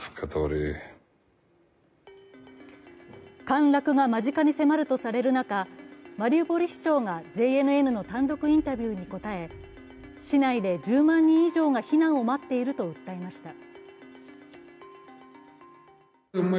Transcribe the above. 陥落が間近に迫るとされる中、マリウポリ市長がＪＮＮの単独インタビューに答え市内で１０万人以上が避難を待っていると訴えました。